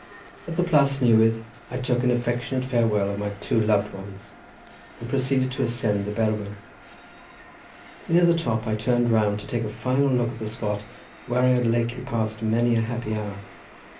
At the Plas Newydd I took an affectionate farewell of my two loved ones, and proceeded to ascend the Berwyn. Near the top I turned round to take a final look at the spot where I had lately passed many a happy hour.